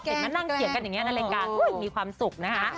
มานั่งเถียงกันอย่างนี้ในรายการมีความสุขนะคะ